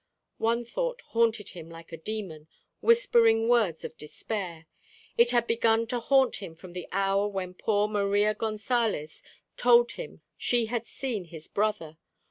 One thought haunted him like a demon, whispering words of despair. It had begun to haunt him from the hour when poor Maria Gonsalez told him she had seen his brother.